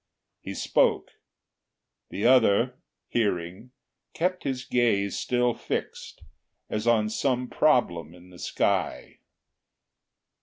He spoke: the other, hearing, kept his gaze Still fixed, as on some problem in the sky.